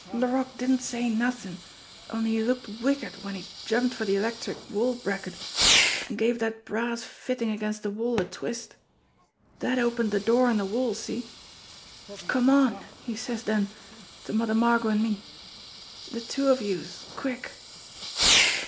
Laroque didn't say nothin', only he looked wicked when he jumped for de electric wall bracket an' gave dat brass fittin' against de wall a twist. Dat opened de door in de wall see? 'Come on!' he says den to Mother Margot an' me. 'De two of youse! Quick!'